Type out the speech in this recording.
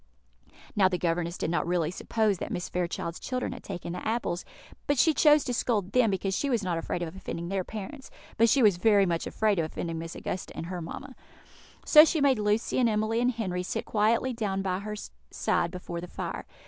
Now the governess did not really suppose that Mrs. Fairchild's children had taken the apples; but she chose to scold them because she was not afraid of offending their parents, but she was very much afraid of offending Miss Augusta and her mamma. So she made Lucy and Emily and Henry sit quietly down by her side before the fire.